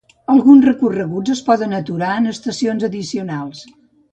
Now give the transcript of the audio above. Alguns recorreguts es poden aturar en estacions addicionals.